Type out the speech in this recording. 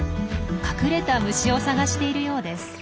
隠れた虫を探しているようです。